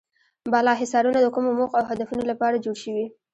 بالا حصارونه د کومو موخو او هدفونو لپاره جوړ شوي.